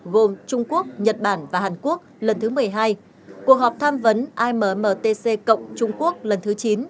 gồm trung quốc nhật bản và hàn quốc lần thứ một mươi hai cuộc họp tham vấn ammtc cộng trung quốc lần thứ chín